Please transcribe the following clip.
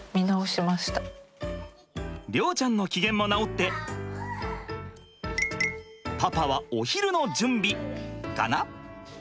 崚ちゃんの機嫌も直ってパパはお昼の準備かな？